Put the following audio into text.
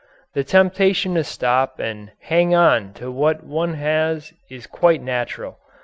The temptation to stop and hang on to what one has is quite natural.